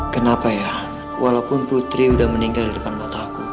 kenapa ya walaupun putri sudah meninggal di depan mata aku